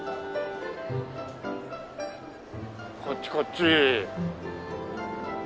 こっちこっち。